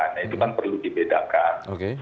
nah itu kan perlu dibedakan